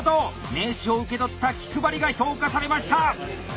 名刺を受け取った気配りが評価されました！